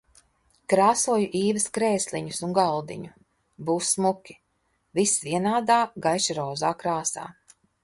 Krāsoju Īves krēsliņus un galdiņu. Būs smuki. Viss vienādā, gaiši rozā krāsā.